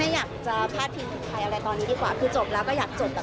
ไม่ได้อัพเดทอะไร